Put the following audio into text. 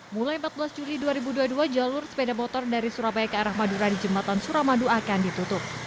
mulai empat belas juli dua ribu dua puluh dua jalur sepeda motor dari surabaya ke arah madura di jembatan suramadu akan ditutup